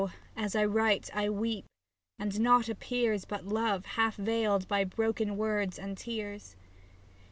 as I write I weep, and nought appears But Love, half veiled by broken words and tears.